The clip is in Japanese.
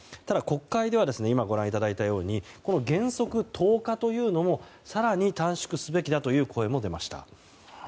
ただ国会では今、ご覧いただいたように原則１０日というのも更に短縮すべきだという声も出ました。